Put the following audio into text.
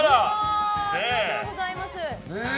ありがとうございます。